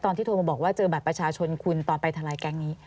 โทรมาบอกว่าเจอบัตรประชาชนคุณตอนไปทลายแก๊งนี้